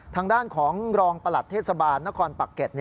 ทางด้านของรองประหลัดเทศบาลนครปักเก็ต